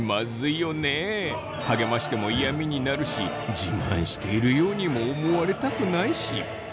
励ましても嫌みになるし自慢しているようにも思われたくないし。